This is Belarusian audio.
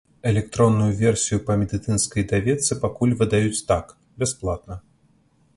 Электронную версію па медыцынскай даведцы пакуль выдаюць так, бясплатна.